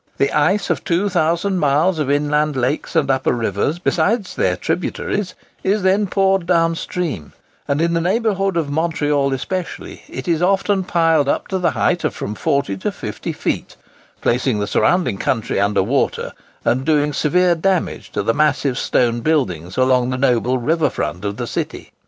The ice of two thousand miles of inland lakes and upper rivers, besides their tributaries, is then poured down stream, and, in the neighbourhood of Montreal especially, it is often piled up to the height of from forty to fifty feet, placing the surrounding country under water, and doing severe damage to the massive stone buildings along the noble river front of the city.